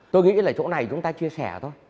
tôi nghĩ là chỗ này chúng ta chia sẻ thôi